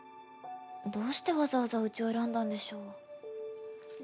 どうしてわざわざうちを選んだんでしょう？